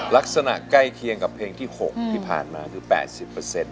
ลักษณะใกล้เคียงกับเพลงที่หกที่ผ่านมาคือแปดสิบเปอร์เซ็นต์